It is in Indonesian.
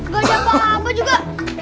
gak ada apa apa juga